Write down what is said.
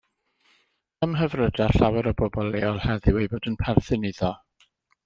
Ymhyfryda llawer o bobl leol heddiw eu bod yn perthyn iddo.